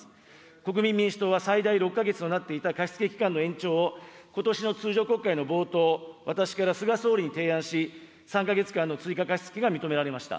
国民民主党は最大６か月となっていた貸し付け期間の延長を、ことしの通常国会の冒頭、私から菅総理に提案し、３か月間の追加貸し付けが認められました。